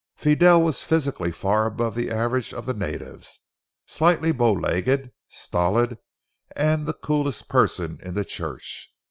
Fidel was physically far above the average of the natives, slightly bow legged, stolid, and the coolest person in the church.